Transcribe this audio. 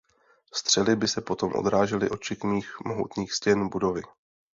Střely by se potom odrážely od šikmých mohutných stěn budovy.